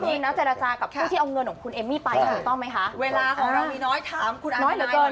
หมืดหน้าเจรจากับผู้ที่อบเงินของคุณเอมมี่ไปตรงคือเรามั้ยค่ะเวลาของเราไม่น้อยถามคุณ